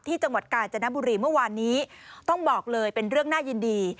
จังหวัดกาญจนบุรีเมื่อวานนี้ต้องบอกเลยเป็นเรื่องน่ายินดี